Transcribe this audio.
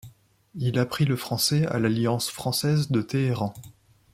Il apprit le français à l’Alliance française de Téhéran.